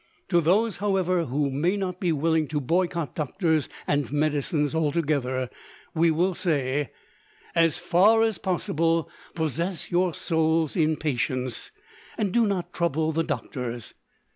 To those, however, who may not be willing to boycott doctors and medicines altogether, we will say, "As far as possible, possess your souls in patience, and do not trouble the doctors.